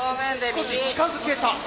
少し近づけた。